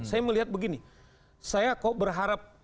saya melihat begini saya kok berharap